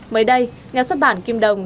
mới đây nhà xuất bản kim đồng